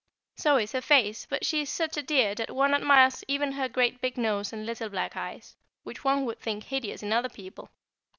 So is her face, but she is such a dear that one admires even her great big nose and little black eyes, which one would think hideous in other people.